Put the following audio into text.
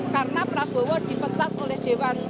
karena prabowo dipecat oleh dewan korupsional